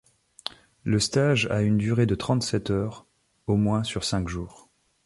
Le stage a une durée de trente-sept heures au moins sur cinq jours.